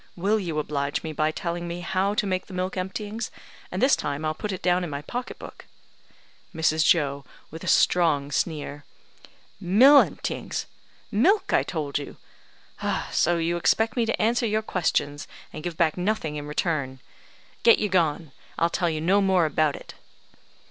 Will you oblige me by telling me how to make the mill emptyings; and this time I'll put it down in my pocket book." Mrs. Joe (with a strong sneer): "Mill emptyings! Milk, I told you. So you expect me to answer your questions, and give back nothing in return. Get you gone; I'll tell you no more about it."